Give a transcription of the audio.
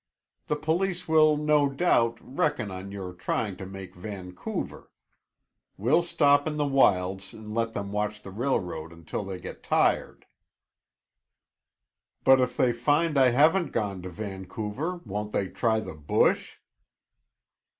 The police will, no doubt, reckon on your trying to make Vancouver. We'll stop in the wilds and let them watch the railroad until they get tired." "But if they find I haven't gone to Vancouver, won't they try the bush?"